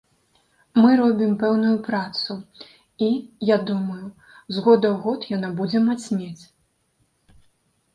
Мы робім пэўную працу, і, я думаю, з году ў год яна будзе мацнець.